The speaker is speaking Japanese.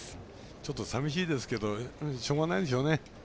ちょっとさみしいですけどしょうがないですね。